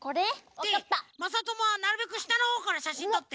でまさともはなるべくしたのほうからしゃしんとって。